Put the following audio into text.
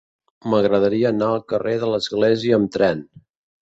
M'agradaria anar al carrer de l'Església amb tren.